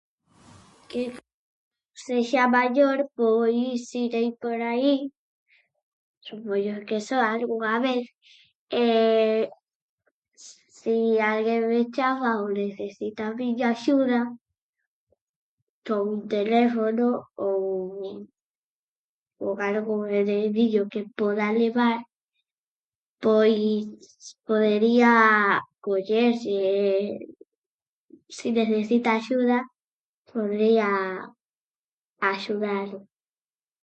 Que sexa maior pois irei por aí supoñe que só algunha vez, si alguén me chama ou necesita a miña axuda con teléfono ou con algo [unintelligible] que poda levar, pois podería collerlle, se necesita axuda, podría axudalo.